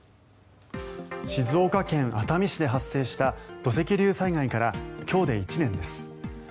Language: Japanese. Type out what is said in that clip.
静岡県熱海市で発生した土石流災害から今日で１年です。